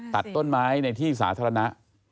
ตัดต้นไม้ในที่สาธารณะ